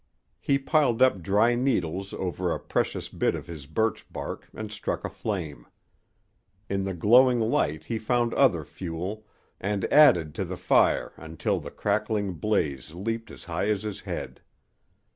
He piled up dry needles over a precious bit of his birchbark and struck a flame. In the glowing light he found other fuel, and added to the fire until the crackling blaze leaped as high as his head.